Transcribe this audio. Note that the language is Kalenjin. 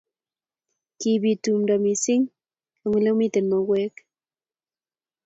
Kibiit tumdo missing eng olemiten mauek